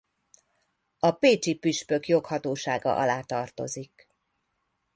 A pécsi püspök joghatósága alá tartozik.